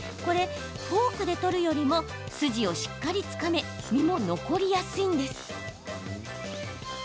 フォークで取るよりも筋をしっかりつかめ身も残りやすいんです。